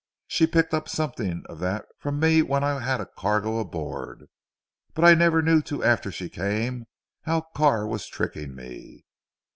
She picked up something of that from me when I had a cargo aboard. But I never knew till after she came, how Carr was tricking me.